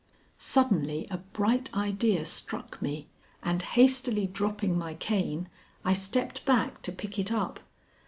Suddenly a bright idea struck me, and hastily dropping my cane I stepped back to pick it up.